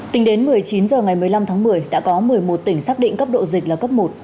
tính đến một mươi chín h ngày một mươi năm tháng một mươi đã có một mươi một tỉnh xác định cấp độ dịch là cấp một